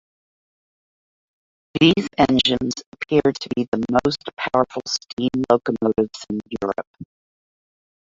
These engines appear to be the most powerful steam locomotives in Europe.